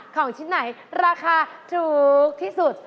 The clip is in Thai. ของชิ้นไหนราคาถูกที่สุด